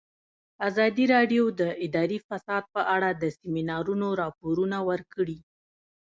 ازادي راډیو د اداري فساد په اړه د سیمینارونو راپورونه ورکړي.